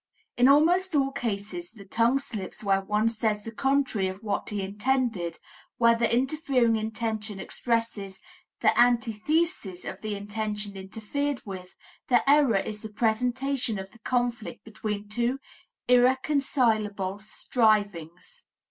In almost all cases of tongue slips where one says the contrary of what he intended, where the interfering intention expresses the antithesis of the intention interfered with, the error is the presentation of the conflict between two irreconcilable strivings.